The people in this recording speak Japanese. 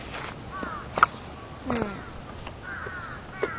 うん。